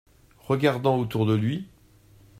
Regardant autour de lui.